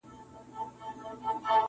دا خو زموږ د مړو لو بې عزتي ده,